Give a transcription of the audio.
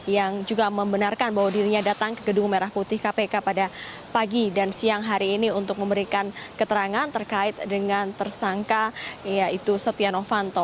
yang juga membenarkan bahwa dirinya datang ke gedung merah putih kpk pada pagi dan siang hari ini untuk memberikan keterangan terkait dengan tersangka yaitu setia novanto